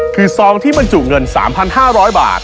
คือซองที่บรรจุเงิน๓๕๐๐บาท